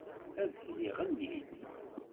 Adfel iɣelli-d.